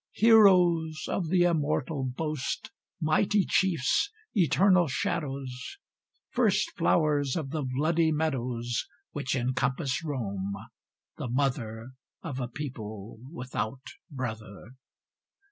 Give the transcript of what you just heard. Heroes of the immortal boast! Mighty chiefs! eternal shadows! First flowers of the bloody meadows Which encompass Rome, the mother Of a people without brother!